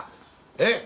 えっ？